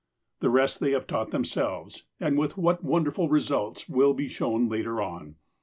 The rest they have taught themselves, and with what wonder ful results will be shown later on.